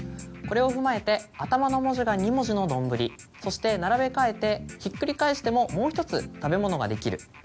これを踏まえて頭の文字が２文字のどんぶりそして並べ替えてひっくり返してももう１つ食べ物ができる。